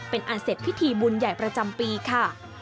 เป็นอันเสร็จพิธีบุญใหญ่ประจำปีค่ะ